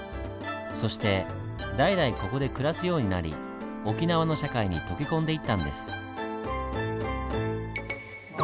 そして代々ここで暮らすようになり沖縄の社会に溶け込んでいったんです。